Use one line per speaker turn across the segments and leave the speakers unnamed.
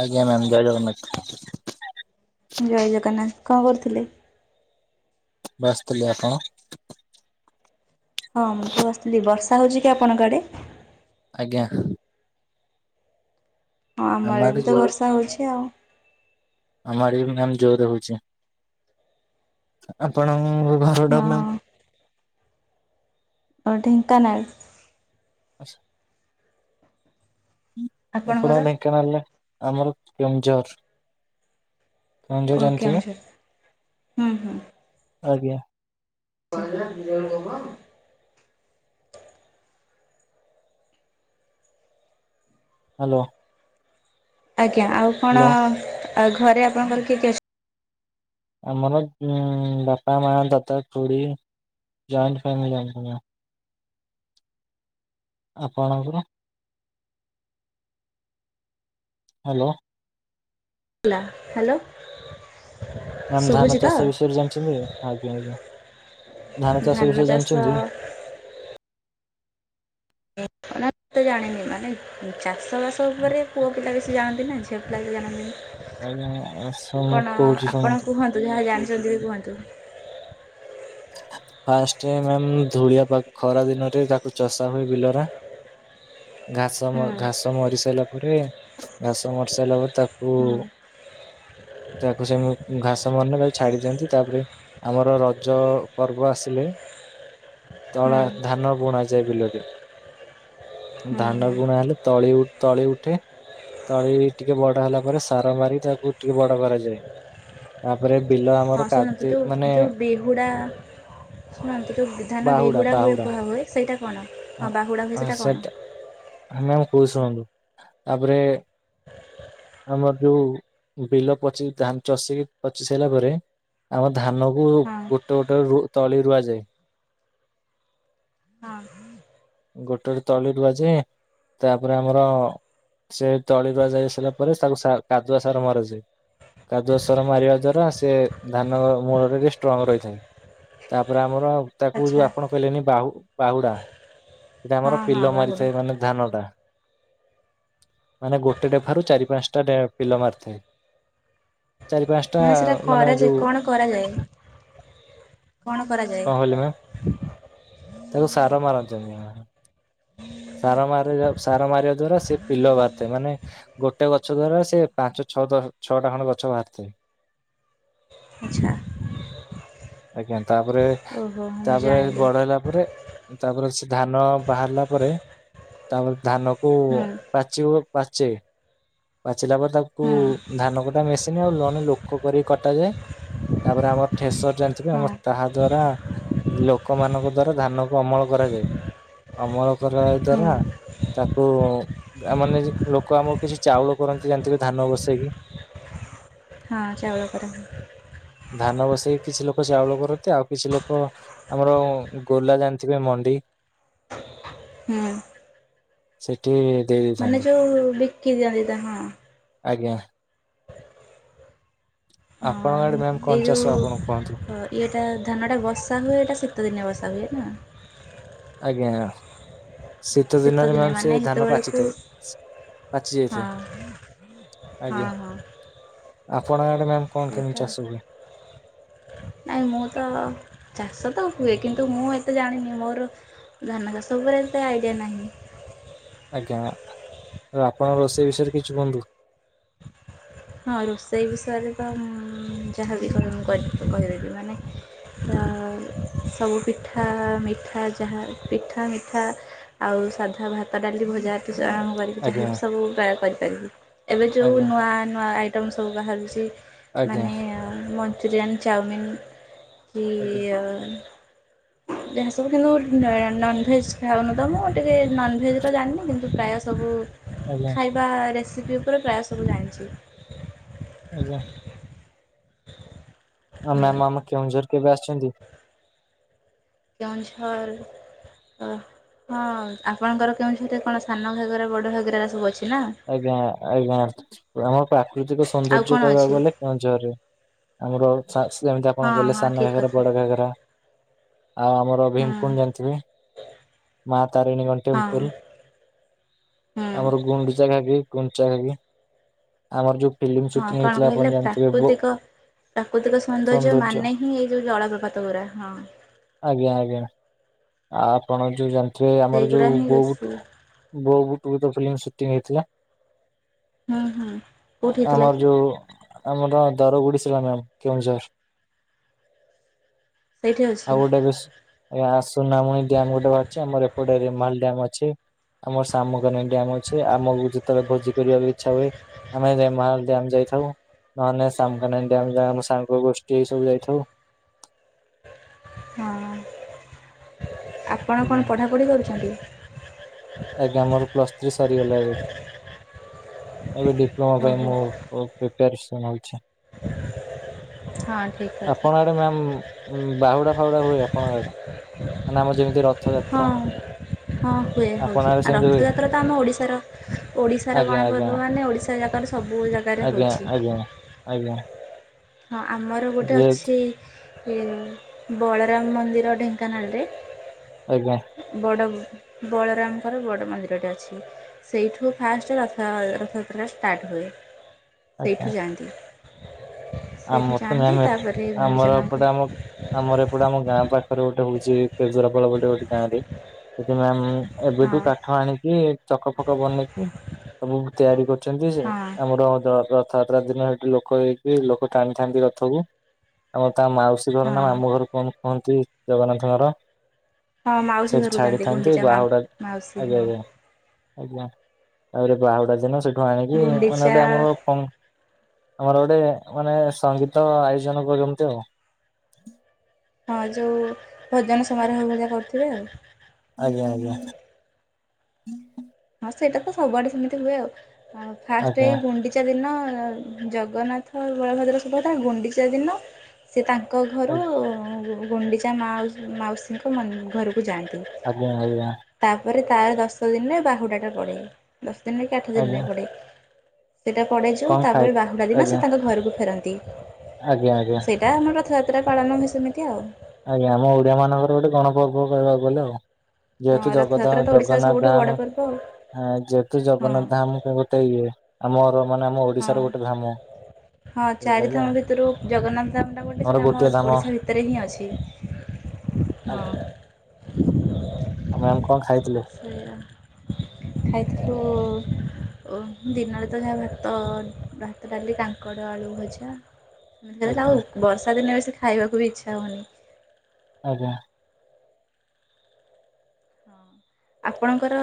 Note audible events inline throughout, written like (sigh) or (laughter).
ଆଜ୍ଞ ମ୍ୟାମ୍ ଜୟ ଜଗନ୍ନାଥ।
ଜୟ ଜଗନ୍ନାଥ କଣ କରୁଥିଲେ?
ବସିଥିଲି ଆପଣ?
ହଁ ମୁଁ ତ ବସିଥିଲି ବର୍ଷା ହେଉଛି କି ଆପଣଙ୍କ ଆଡ଼େ?
ଆଜ୍ଞା।
ହଁ ଆମ ଆଡେ ବି ତ ବର୍ଷା ହଉଛି ଆଉ।
ଆମ ଆଡେ ବି ମ୍ୟାମ ଜୋର ରେ ହଉଛି, ଆପଣଙ୍କ ଘରଟା ମ୍ୟାମ?
ଓ ଢେଙ୍କାନାଳ।
ଆଛା। ଆପଣଙ୍କ
ଆପଣଙ୍କର
ଢେଙ୍କାନାଳ ହେଲେ ଆମର କେନ୍ଦୁଝର। (inaudible) ଯଉ
ଓ
ଜାଣିଥିବେ?
କେଉଁଝର ହୁଁ ହୁଁ
ଆଜ୍ଞା।
(inaudible)
ହ୍ୟାଲୋ।
ଆଜ୍ଞା, ଆଉ କଣ
ହ୍ୟାଲୋ
ଆଉ ଘରେ ଆପଣଙ୍କର କିଏ କିଏ ଅଛ
ଆମର ବାପା, ମା, ଦାଦ, ଖୁଡ଼ୀ ଜଏଣ୍ଟ ଫ୍ୟାମିଲି ଆମର। ଆପଣଙ୍କର? ହ୍ୟାଲୋ।
ହ୍ୟାଲୋ।
ମାନେ ଧାନ
ଶୁଭୁଛି ତ
ଚାଷ ବିଷୟରେ ଜାଣିଛନ୍ତି କି? ଆଜ୍ଞା ଆଜ୍ଞା, ଧାନ ଚାଷ ବିଷୟରେ ଜାଣିଛନ୍ତି?
ଏତେ ଜାଣିନି ମାନେ। ଚାଷବାସ ଉପରେ ପୁଅ ପିଲା ବେସି ଜାଣନ୍ତି ନା ଝିଅ ପିଲା କିଛି ଜାଣନ୍ତିନି।
ଆଜ୍ଞା ମ୍ୟାମ ଆସ ମୁଁ କହୁଛି ଶୁଣନ୍ତୁ?
ତ ଯାହା ଜାଣିଛନ୍ତି ବି କୁହନ୍ତୁ?
ଫାଷ୍ଟ ମ୍ୟାମ୍ ଧୂଳିଆଖ ଖରା ଦିନରେ ତାକୁ ଚଷା ହୁଏ ବିଲରା।
(inaudible)
ଘାସ ମ
ହୁଁ ହୁଁ
ଘାସ ମରି ସାରିଲା ପରେ ଘାସ ମରି ସାରିଲା ପରେ ତାକୁ ତାକୁ ସେମି ଘାସ ମଲେ ତାକୁ ଛାଡି ଦିଅନ୍ତି। ତାପରେ ଆମର ରଜ ଜ ପର୍ବ ଆସିଲେ
ହୁଁ
ତଳା ଧାନ ବୁଣା ଯାଏ ବିଲରେ।
ହୁଁ
ଧାନ
ହୁଁ
ବୁଣା ହେଲେ ତଳି ତଳି ଉଠେ। ତଳି ଟିକେ ବଡ ହେଲା ପରେ ସାର ମାରି ତାକୁ ଟିକେ ବଡ କରାଯାଏ। ତାପରେ ବିଲ ଆମର କାଦୁ ମାନେ
ବେହୁଡ଼ା ଶୁଣନ୍ତୁ ଯୋଉ ଧାନ ବେହୁଡ଼ା ହୁଏ କୁହା ହୁଏ ସେଇଟା କଣ? ହଁ ବାହୁଡ଼ା ହୁଏ
ଅଁ
କଣ?
ସେଟା ହଁ ମ୍ୟାମ କହୁଚି ଶୁଣନ୍ତୁ? ତାପରେ ଆମର ଯୋଉ ବିଲ ପଚି ଧାନ ଚଷି ପଚି ସାରିଲା ପରେ ଆମ ଧାନ କୁ
ହଁ
ଗୋଟେ ଗୋଟେ ତଳି ରୁଆଯାଏ।
ହଁ।
ଗୋଟେ ଗୋଟେ ତଳି ରୁୁଆ ଜାଏ ତାପରେ ଆମର ସେ ତଳି ରୁଆ ଯାଇସାରିଲା ପରେ ତାକୁ ସା କାଦୁଆ ସାର ମରାଯାଏ। କାଦୁଆ ସାର ମାରିବା ଦ୍ଵାରା ସେ ଧାନ ମୂଳ ଟିକେ ଷ୍ଟ୍ରଙ୍ଗ ରହିଥାଏ। ତାପରେ ଆମର ତାକୁ
ଆଚ୍ଛା
ଯୋଉ ଆପଣ କହିଲେନି ବାହୁ ବାହୁଡା ସେଟା ଆମର
ହଁ ହଁ
ପିଲ
ବାହୁଡ଼ା
ମାରିଥାଏ ମାନେ ଧାନ ଟା। ମାନେ ଗୋଟେ ଡେଫାରୁ ଚାରି ପାଞ୍ଚଟା ପିଲ ମାରିଥାଏ। ଚାରି ପାଞ୍ଚଟା
ମାନେ ସେଟା କରାଯାଏ
ଯୋଉ
କଣ କରାଯାଏ? କଣ
କହିଲେ ମ୍ୟାମ
କରାଯାଏ?
ତାକୁ ସାର ମାରଛନ୍ତି ମା। ସାର ମାର ସାର ମାରିବା ଦ୍ଵାରା ସେ ପିଲ ବାହାରିଥାଏ ମାନେ ଗୋଟେ ଗଛ ଦ୍ଵାରା ସେ ପାଞ୍ଚ ଛଅ ଦ ଛଅଟା ଖଣ୍ଡେ ଗଛ ବାହାରିଥାଏ।
ଆଚ୍ଛା।
ଆଜ୍ଞା ତାପରେ
ଓହୋ ମୁଁ
ତାପରେ
ଜାଣିଲି
ବଡ ହେଲା ପରେ ତାପରେ ସେ ଧାନ ବାହାରିଲା ପରେ ତାପରେ ଧାନ କୁ
ହୁଁ
ପାଚିବ ପାଚେ। ପାଚିଲା ପରେ ତାକୁ
ହୁଁ
ଧାନ କଟା ମେସିନି ଆଉ ଜଣେ ଲୋକ କରିକି କଟାଯାଏ। ତାପରେ ଆମର ଠେସର ଚାଲିଥିବେ
ହଁ
ଆମର ତାହା ଦ୍ଵାରା ଲୋକମାନାନଙ୍କ ଦ୍ଵାରା ଧାନ କୁ ଅମଳ କରାଯାଏ, ଅମଳ କରିବା
ହୁଁ
ଦ୍ଵାରା ତାକୁ ମାନେ ଲୋକ ଆମର କିଛି ଚାଉଳ କରନ୍ତି, ଜାଣିଥିବେ ଧାନ ବସେଇକି।
ହଁ, ଚାଉଳ କର।
ଧାନ ବସେଇକି କିଛି ଲୋକ ଚାଉଳ କରନ୍ତି। ଆଉ କିଛି ଲୋକ ଆମର ଗୋଲା ଜାଣିଥିବେ ମଣ୍ଡି
ହୁଁ।
ସେଠି ଦେଇ
ମାନେ
ଦେଇଥାନ୍ତି
ଯୋଉ ବିକି ଦିଅନ୍ତି ତା ହଁ
ଆଜ୍ଞା। ଆପଣଙ୍କ
ହଁ
ଆଡେ ମ୍ୟାାମ
ଏଇ
କଣ ଚାଷ
ଯୋଉ
ଆପଣ କୁହନ୍ତୁ?
ଇଏଟା ଧାନଟା ବର୍ଷା ହୁଏ ଏଟା ଶୀତଦିନ ବର୍ଷା ହୁଏ ନା।
ଆଜ୍ଞା। ଶୀତ ଦିନରେ
ଦିନେ
ମ୍ୟାମ୍ ସେ
ମାନେ
ଧାନ
ସେତେବେଳକୁ
ପାଚିଥାଏ ପାଚିଜାଇ ଥାଏ।
ହଁ ହଁ ହଁ
ଆପଣଙ୍କ ଆଡେ ମ୍ୟାାମ କଣ କେମିତି
ସେଇଟା
ଚାଷ ହୁଏ?
ନାଇଁ ମୁଁ ତ ଚାଷ ତ ହୁଏ କିନ୍ତୁ ମୁଁ ଏତେ ଜାଣିନି ମୋର ଧାନ ଚାଷ ଉପରେ ଏତେ ଆଇଡିଆ ନାହିଁ।
ଆଜ୍ଞା ଆ ଆପଣ ରୋଷେଇ ବିଷୟରେ କିଛି କୁହନ୍ତୁ।
ହଁ ରୋଷେଇ ବିଷୟରେ ତ ଉଁ ଯାହାବି କହିବ ମୁଁ କହିବି କହିବି ମାନେ ସବୁ ପିଠା ମିଠା ଯାହା ପିଠା ମିଠା ଆଉ ସାଧା ଭାତ, ଡାଲି, ଭଜା ଆରମ୍ଭ କରିବି
ଆଜ୍ଞା
ଯାହାବି ସବୁ କରିପାରିବି ଏବେ ଯେଉଁ
ଆଜ୍ଞା
ନୂଆ ନୂଆ ଆଇଟମ୍ ସବୁ ବାହାରୁଛି
ଆଜ୍ଞା
ମାନେ ମଞ୍ଚୁରିଆନ୍, ଚାଓମିନ୍ କି
ଆଜ୍ଞା
ଯାହା ସବୁ କିନ୍ତୁ ନନ୍ଭେଜ୍ ଖାଉନୁ ତ ମୁଁ ଟିକିେ ନନ୍ଭେଜର ଜାଣିନି କିନ୍ତୁ ପ୍ରାୟ ସବୁ
ଆଜ୍ଞା।
ବାହା ରେସିପି ଉପରେ ପ୍ରାୟ ସବୁ ଜାଣିଛି।
ଆଜ୍ଞା
ହୁଁ
ମ୍ୟାମ୍ ଆମ କେଉଁଝର କେବେ ଆସିଛନ୍ତି।
କେଉଁଝର ହଁ ଆପଣଙ୍କର କେଉଁଝରେ କଣ ସାନ ଘାଘରା ବଡ଼ ଘାଘରା ସବୁ ଅଛି ନା?
ଆଜ୍ଞା ଆଜ୍ଞା ଆମର ପ୍ରାକୃତିକ
ଆଉ
ସୌନ୍ଦର୍ଯ୍ୟ
କଣ ଅଛି
କହିବାକୁ ଗଲେ କେଉଁଝର ରେ। ଆମର ସେମିତି
ହଁ
ଆପଣ କହିଲେ
ହଁ
ସାନ
ଠିକ୍
ଘାଘରା
କଥା
ବଡ ଘାଘରା। ଆଉ ଆମର ଭୀମ
ହୁଁ
କୋଣ ଜାଣିଥିବେ? ମା ତାରିଣୀଙ୍କ
ହଁ
ଟେମ୍ପୁଲ।
ହୁଁ
ଆମର ଗୁଣ୍ଡୁଚା ଘାଘି ଗୁଣ୍ଡଚା ଘାଘି। ଆମର ଯୋଉ ପିଲ୍ମି
ହଁ କଣ କହିଲେ ପ୍ରାକୃତିକ ପ୍ରାକୃତିକ ସୌନ୍ଦର୍ଯ୍ୟ ମାନେ ହିଁ ଏଇ ଯୋଉ ଜଳପ୍ରପାତ ଗୁୁରା ହଁ।
ଆଜ୍ଞା ଆଜ୍ଞା ଆପଣ ଜଉ ଜାଣିଥିବେ ଆମର ଜଉ
ସେଇଗୁଡ଼ା ହିଁ
ବ
ବେଶୀ
ବୋଉ ବୁଟୁ ଭୂତ ଫିଲ୍ମ ସୁଟିଂ ହେଇଥିଲା।
ହୁଁ ହୁଁ କେଉଁଠି ହେଇଥିଲା
ଆମର
କି
ଯଉ ଆମ ଗା ଦରବୁଡ଼ିସୀଲା ମ୍ୟାମ କେଉଁଝର।
ସେଇଠି ଅଛି
(inaudible) ସୁୁନାମୁଣି ଡ୍ୟାମ ଟେ ଅଛି ଆମର ଏପଟେ ରିମାଲ୍ ଡ୍ୟାମ ଅଛି। ଆମର ସାମକାନ ଡ୍ୟାମ ଅଛି ଆମକୁ ଯେତେବେଳେ ଭୋଜି କରିବାକୁ ଇଚ୍ଛା ହୁଏ ଆମେ ମାହାଲ ଡ୍ୟାମ ଯାଇଥାଉ ନହେଲେ ସାମକାନ ଡ୍ୟାମ ଆମ ସାଙ୍ଗ ଗୋଷ୍ଠୀ ଏଇ ସବୁ ଯାଇଥାଉ।
ହଁ ଆପଣ
ଆଜ୍ଞା
କଣ ପଢ଼ାପଢ଼ି କରୁଛନ୍ତି?
ଆଜ୍ଞା ମୋର ପ୍ଲସ୍ ଥ୍ରୀ ସରିଗଲା ଏବେ ଏବେ ଡିପ୍ଲୋମା ପାଇଁ
ଓହୋ
ମୁଁ ଓ ପ୍ରିପାରେସନ୍ ହଉଛି।
ହଁ। ଠିକ୍ କଥା।
ଆପଣଙ୍କ ଆଡେ ମ୍ୟାାମ ବାହୁଡା ଫାଉଡା ହୁଏ ଆପଣଙ୍କ ଆଡେ? ମାନେ ଆମର ଯେମିତି ରଥଯାତ୍ରା
ହଁ ହଁ। ହୁଏ ହେଉଛି
ଆପଣଙ୍କ ଆଡେ
ଆ
ସେମିତି ହୁଏ?
ରଥଯାତ୍ରା ତ ଆମ ଓଡ଼ିଶାର ଓଡ଼ିଶାର
ଆଜ୍ଞା ଆଜ୍ଞା
ଗଣପର୍ବ ମାନେ ଓଡ଼ିଶା ଜାକର ସ ସବୁ ଜାକ
ଆଜ୍ଞା ଆଜ୍ଞା ଆଜ୍ଞା।
ହଁ ଆମର ଗୋଟେ ଅଛି ଏ ମନ୍ଦିର ଢେଙ୍କାନାଳରେ
ଆଜ୍ଞା।
ବଡ଼ ବଳରାମଙ୍କର ବଡ଼ ମନ୍ଦିରଟେ ଅଛି। ସେଇଠୁ ଫାଷ୍ଟ ରଥ ରଥଯାତ୍ରା ଷ୍ଟାର୍ଟ ହୁଏ
ଆଜ୍ଞା।
ସେଇଠୁ ଯାଆନ୍ତି। ସେଇଠୁ
ଆମର ତ
ଯାଆନ୍ତି ତାପରେ ଗୁଣ୍ଡିଚା
ଆମର
ମାଙ୍କୁ
ଏପଟେ ଆମ ଆମର ଏପଟେ ଆମ ଗାଁ ପାଖରେ ଗୋଟେ ହଉଛି କେଜରାପଳ ଗୋଟେ ଗୋଟେ ଗାଁ ରେ ସେଠି ମାମ୍
ହଁ
ଏବେଠୁ କାଠ ଆଣିକି ଚକ ଫକ ବନେଇକି ସବୁ ତିଆରି କରୁଛନ୍ତି ସେ
ହଁ
ଆମର ର ରଥ ରଥଯାତ୍ରା ଦିନ ସେଠି ଲୋକ ହେଇକି ଲୋ କ ଟାଣିଥାନ୍ତି ରଥକୁ ଆମ ତା ମାଉସୀ ଘର ନା
ହଁ।
ମାମୁଁ ଘରୁ କୁହ ହୁଅନ୍ତି ଜଗନ୍ନାଥଙ୍କର।
ହଁ ମାଉସୀ
ସେଠି
ଘରକୁ ଯାଆନ୍ତି
ଛାଡିଥାନ୍ତି
ଗୁଣ୍ଡିଚା ମା
ବାହୁଡା
ମାଉସୀ ହଁ
ଆଜ୍ଞା ଆଜ୍ଞା। ଆଜ୍ଞା ତାପରେ ବାହୁଡା ଦିନ ସେଠୁ ଆଣିକି ଅ
ଗୁଣ୍ଡିଚା
ଗଟେ ଆମର ଫ ଆମର ଗୋଟେ ମାନେ ସଙ୍ଗୀତ ଆୟୋଜନ କରନ୍ତି ଆଉ।
ହଁ ଯୋଉ ଭୋଜନ ସମାରୋହ ଭଳିଆ କରୁଥିବେ ଆଉ।
ଆଜ୍ଞା ଆଜ୍ଞା।
ହଁ ସେଇଟା ତ ସବୁଆଡେ ସେମିତି ହୁଏ ଆଉ ଫାଷ୍ଟ
ଆଜ୍ଞା
ଏଇ ଗୁଣ୍ଡି ଚା ଦିନ ଜଗନ୍ନାଥ ଆଉ ବଳଭଦ୍ର ସୁଭଦ୍ରା ଗୁଣ୍ଡିଚା ଦିନ ସେ ତାଙ୍କ ଘରୁ
ଆଜ୍ଞା।
ଗୁଣ୍ଡିଚା ମାଉ ମାଉସୀଙ୍କ ମ ଘରକୁ ଯାଆନ୍ତି।
ଆଜ୍ଞା ଆଜ୍ଞା।
ତାପରେ ତାର ଦଶ ଦିନରେ ବାହୁଡ଼ାଟା ପଡେ ଦଶ ଦିନରେ କି ଆଠ
ଆଜ୍ଞା
ଦିନରେ ପଡ଼େ। ସେଇଟା ପଡ଼େ ଯୋଉ
କଣ ଖାଇ
ତାପରେ ବାହୁଡ଼ା ଦିନ ସେ
ଆଜ୍ଞା
ତାଙ୍କ ଘରକୁ ଫେରନ୍ତି।
ଆଜ୍ଞା ଆଜ୍ଞା।
ଏଇଆ ଆମର ରଥଯାତ୍ରା ପାଳନ ହୁଏ ସେମିତି ଆଉ।
ଆଜ୍ଞା ଆମ ଓଡିଆ ମାନଙ୍କର ଗୋଟେ ଗଣ ପର୍ବ କହିବାକୁ ଗଲେ ଆଉ। ଯେହେତୁ
ହଁ
ଜଗ ଧା
ରଥଯାତ୍ରା ତ ଓଡିଶାର
ଜଗନ୍ନାଥ
ସବୁଠୁ ବଡ
ଧାମ
ପର୍ବ ଆଉ
ହଁ ଯେହେତୁ
ହଁ
ଜଗନ୍ନାଥ ଧାମ ଗୋଟେ ଇଏ ଆମର ମାନେ ଆମ
ହଁ।
ଓଡିଶାର ଗୋଟେ ଧାମ।
ହଁ
ସେଇଲାଗି ଆଉ
ଚାରିଥମ ଭିତରୁ ଜଗନ୍ନାଥ ଧାମ ଟା ଗୋଟେ
ଆମର
ସେଟା ଆମ
ଗୋଟିଏ ଧାମ
ଓଡିଶା ଭିତ ରେ ହିଁ ଅଛି। ହଁ
ଆଜ୍ଞା। ଆଉ ମ୍ୟାାମ କଣ ଖାଇଥିଲେ।
ସେ ଖାଇଥିଲୁ ଓ ଦିନରେ ତ ଯାହା ଭାତ ଭାତ ଡାଲି କାଙ୍କଡ଼ ଭଜା। ମୁ କହିଲି ଆଉ
ଆଜ୍ଞା
ବର୍ଷା ଦିନେ ବେଶୀ ଖାଇବାକୁ ବି ଇଚ୍ଛା ହେଉନି।
ଆଜ୍ଞା।
ହଁ ଆପଣଙ୍କର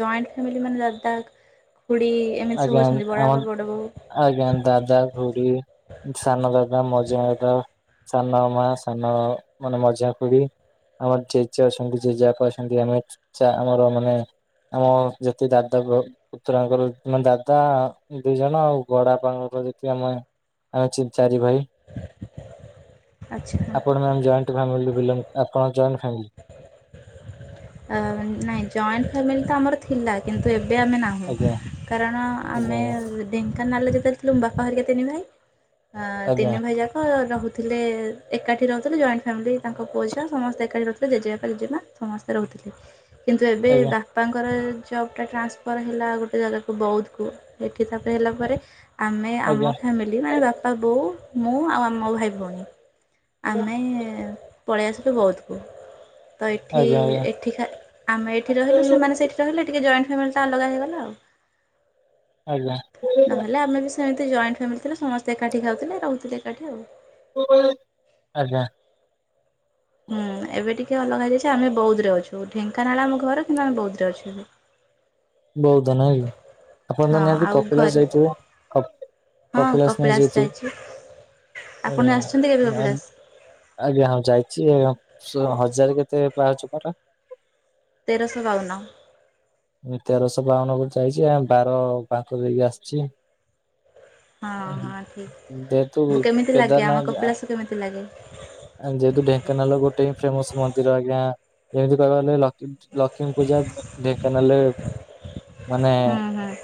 ଜଏଣ୍ଟ ଫ୍ୟାମିଲି ମାନେ ଦାଦା ଖୁଡ଼ି କେମିତି ସବୁ
ଆଜ୍ଞା
ଅଛନ୍ତି ବଡ
ଆମ
ବାବା ବଡ ବୋଉ।
ଆଜ୍ଞା ଦାଦା ଘୁଡି ସାନ ଦାଦା ମଝିଆ ଦାଦା ସାନ ମା ସାନ ମାନେ ମଝିଆ ଖୁଡ଼ି ଆମର ଜେଜେ ଅଛନ୍ତି ଜେଜେ ବାପା ଅଛନ୍ତି ଆମେ ଚା ଆମର ମାନେ ଆମ ଯେତେ ଦାଦା ପୁ ପୁତୁରା ଙ୍କର ଆମ ଦାଦା ଦି ଜଣ ଆଉ ବଡ ବାପାଙ୍କ ଯ ଦି ଆମେ ଆ ଚିଁ ଚାରି ଭାଇ
ଆଚ୍ଛା।
ଆପଣ ମାମ୍ ଜଏଣ୍ଟ ଫ୍ୟାମିଲି ବିଲଙ୍ଗ ଆପଣ ଜଏଣ୍ଟ ଫ୍ୟାମିଲି
ନାଇଁ ଜଏଣ୍ଟ ଫ୍ୟାମିଲି ତ ଆମର ଥିଲା କିନ୍ତୁ ଏବେ ଆମେ ନା ହୁଁ
ଆଜ୍ଞା
କାରଣ
ଆଜ୍ଞା
ଆମେ ଢେଙ୍କାନାଳରେ ଯେତେବେ ଥିଲୁ ବାପା ହରିକା ତିନି ଭାଇ ହଁ
ଆଜ୍ଞା
ତିନି ଭାଇ ଯା କ ରହୁଥିଲେ ଏକାଠି ରହୁଥିଲେ ଜଏଣ୍ଟ ଫ୍ୟାମିଲି ତାଙ୍କ ପୁଅ ଝିଅ ସମସ୍ତେ ଏକାଠି ରହୁଥିଲେ ଜେଜେବାପା ଜେଜେମା ସମସ୍ ରହୁଥିଲେ କିନ୍ତୁ ଏବେ
ଆଜ୍ଞା
ବା ପାଙ୍କର ଜବଟା ଟ୍ରାନ୍ସଫର୍ ହେଲା ଆଉ ଗୋଟେ ଜାଗାକୁ ବୌଦ୍ଧକୁ। ଏଠି ତାପେରେ ହେଲା ପରେ ଆମେ ଆମ
ଆଜ୍ଞା
ଫ୍ୟାମି ଲିନେ ଆମେ ବାପା ବୋଉ ମୁଁ ଆଉ ଆମ ମୋ ଭାଇ ଭଉଣୀ ଆମେ ପଳେଇ ଆସିଲୁ ବୌଦ୍ଧକୁ ତ ଏଠି
ଆଜ୍ଞା
ଏଠି ଖା ଆମେ ଏଠି ରହିଲୁ ସେମାନେ ସେଇଠି ରହିଲେ ଟିକେ ଜଏଣ୍ଟ ଫ୍ୟାମିଲଟା ଅଲଗା ହେଇଗଲା ଆଉ
ଆଜ୍ଞା ଆଜ୍ଞା
ନହେଲେ ଆମେ ବି ସେ ସେମିତି ଜଏଣ୍ଟ ଫ୍ୟାମିଲି ଥିଲେ ସମସ୍ତେ ଏକାଠି ଖାଉଥିଲେ ରହୁଥିଲେ ଏକାଠି ଆଉ।
ଆଜ୍ଞା।
ହୁଁ ଏବେ ଟିକେ ଅଲଗା ହେଇଯାଇଛି ଆମେ ବୌଦ୍ଦରେ ଅଛୁ ଢେଙ୍କାନାଳ ଆମ ଘର କିନ୍ତୁ ଆମେ ବୌଦ୍ଧରେ ଅଛୁ ଏବେ। ହଁ।
ବୌଦ୍ଧ ନାଇଁ କି ଆପଣ ତ
ହଁ
ନିହାତି
ଆଉ
କପିଳାସ
ଘରେ
ଯାଇଥିବ। କପ୍
ହଁ
କପିଳାସ ନିହାତି
ଯାଇଛି
ଯାଇଥିବେ
ଆପଣ
(unintelligible)
ଆସିଛନ୍ତି କେବେ
ମାମ୍।
କପିଳାସ?
ଆଜ୍ଞା ହଁ ଯାଇଛି ଆଉ ସେ ହଜାରେ କେତେ ପାହାଚ ପରା।
ତେରଶ ବାଉନ।
ମୁଁ ତେରଶ ବାଉନକୁ ଯାଇଚି ଆଉ ବାର ବାଙ୍କ ଦେଇ ବି ଆସଚି।
ହଁ ହଁ ଠିକ୍।
ଯେ ତୁ
କେମିତି ଲାଗେ ଆମ
କେଦାରନାଦ୍ ଆଁ
କପିଳାସ କେମିତି ଲାଗେ?
ଆଁ ଯେହେତୁ ଢେଙ୍କାନାଳର ଗୋଟେ ହିଁ ଫେମସ୍ ମନ୍ଦିର ଆଜ୍ଞା ଯେମିତି କହିବାକୁ ଗଲେ ଲକିଡ୍ ଲକ୍ଷୀମି ପୂଜା ଢେଙ୍କାନାଲରେ
ହୁଁ ହୁଁ।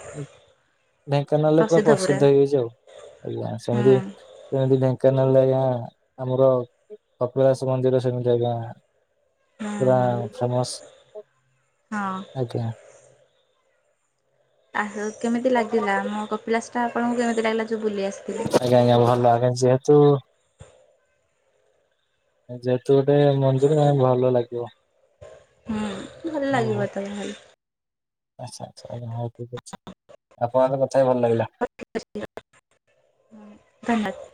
ଢେଙ୍କାନାଲରେ ପୁରା ପ୍ରସିଦ୍ଧ ହେଇଯାଇଚି ଆଉ ଆଜ୍ଞା
ହୁଁ
ସେମିତି କୁହନ୍ତି ଢେଙ୍କାନାଳରେ ଆଜ୍ଞା ଆମର କପିଳାସ ମନ୍ଦିର ସେମିତି ଆଜ୍ଞା।
ହୁଁ
ପୁରା
ହୁଁ
ଫ୍ରେମସ୍
ହଁ
ଆଜ୍ଞା।
ଆହୁ କେମିତି ଲାଗିଲା ଆମ କପିିଲାସଟା ଆପଣଙ୍କୁ କେମିତି ଲାଗିଲା ଯୋଉ ବୁଲି ଆସ୍
ଆଜ୍ଞା ଆଜ୍ଞା ଭଲ ଆଜ୍ଞା ଯେହେତୁ ଯେହେତୁ ଏବେ (unintelligible) ଭଲ ଲାଗିବ।
ହୁଁ ଭଲ
ଓହୋ
ଲାଗିବ ତାହେଲେ।
ଆଚ୍ଛା ଆଚ୍ଛା ଆଜ୍ଞା ହଉ ଠିକ୍ ଅଛି ଆପଣଙ୍କ କଥା ଭଲ ଲାଗିଲା।
(unintelligible) ହୁଁ ଧନ୍ୟବାଦ୍।